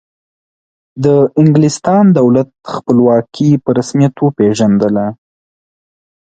د انګلستان دولت خپلواکي په رسمیت وپیژندله.